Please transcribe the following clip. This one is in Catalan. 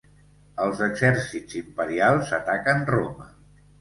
Els exèrcits imperials ataquen Roma.